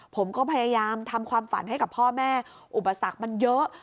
ผมก็พยายามทำความฝันให้กับพ่อแม่อุปสรรคมันเยอะ